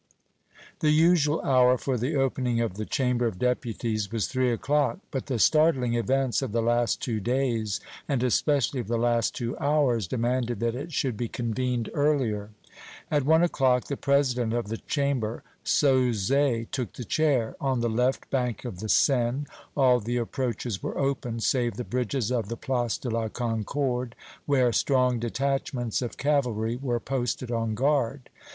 The usual hour for the opening of the Chamber of Deputies was three o'clock; but the startling events of the last two days, and especially of the last two hours, demanded that it should be convened earlier. At one o'clock the President of the Chamber, Sauzet, took the chair. On the left bank of the Seine all the approaches were open, save the bridges of the Place de la Concorde, where strong detachments of cavalry were posted on guard.